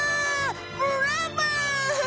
ブラボー！